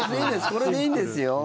これでいいんですよ。